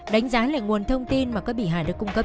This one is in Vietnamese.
đánh giá lệnh nguồn thông tin mà các bị hại đã cung cấp